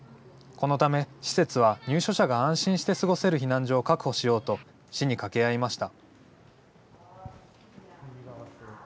このため施設は、入所者が安心して過ごせる避難所を確保しようと市に掛け合いました。